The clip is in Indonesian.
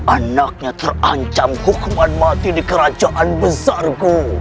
anaknya terancam hukuman mati di kerajaan besarku